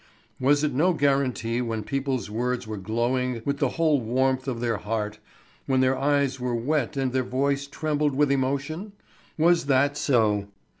Was it no guarantee when people's words were glowing with the whole warmth of their heart, when their eyes were wet and their voice trembled with emotion? Was that so?